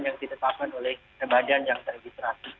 yang ditetapkan oleh badan yang teregistrasi